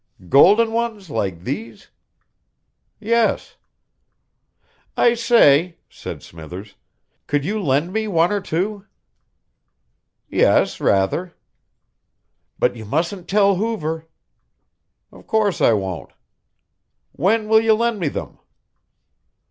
"Golden ones, like these?" "Yes." "I say," said Smithers, "could you lend me one or two?" "Yes, rather." "But you mustn't tell Hoover." "Of course I won't." "When will you lend me them?"